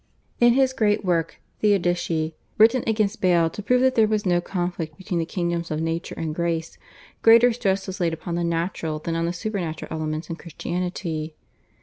In his great work, /Theodicee/, written against Bayle to prove that there was no conflict between the kingdoms of nature and grace, greater stress was laid upon the natural than on the supernatural elements in Christianity.